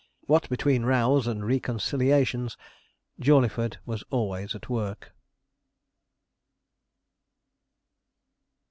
What between rows and reconciliations, Jawleyford was always at work.